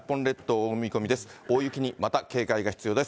大雪にまた警戒が必要です。